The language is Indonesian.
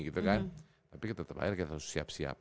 tapi kita terbayar kita harus siap siap